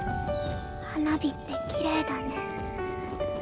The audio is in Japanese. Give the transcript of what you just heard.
花火ってきれいだね。